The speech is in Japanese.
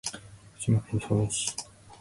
福島県相馬市